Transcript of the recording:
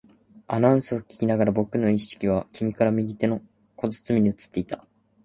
アナウンスを聞きながら、僕の意識は君から右手の小包に移っていった